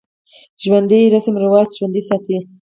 ژوندي رسم و رواج ژوندی ساتي